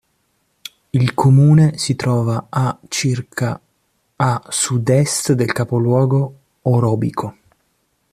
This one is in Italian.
Il comune si trova a circa a sud-est del capoluogo orobico.